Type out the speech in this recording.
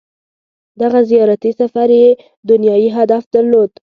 • دغه زیارتي سفر یې دنیايي هدف درلود.